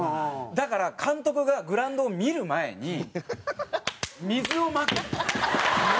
だから監督がグラウンドを見る前に水をまく。